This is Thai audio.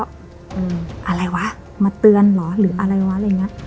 อะไรวะมาเตือนเหรอหรืออะไรวะอะไรอย่างนี้